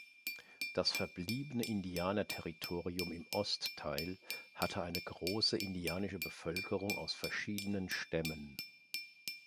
Das verbliebene Indianer-Territorium im Ostteil hatte eine große indianische Bevölkerung aus verschiedenen Stämmen.